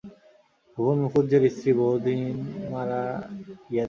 ভুবন মুখুজ্যের স্ত্রী বহুদিন মারা গিয়াছেন।